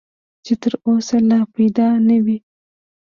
چې تر اوسه لا پیدا نه وي .